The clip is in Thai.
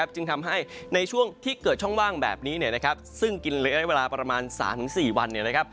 จึงทำให้ในช่วงที่เกิดช่องว่างแบบนี้ซึ่งกินระยะเวลาประมาณ๓๔วัน